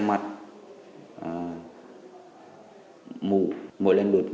mỗi lần lượt nhập xong thì đối tượng thường vất cái công cụ gây án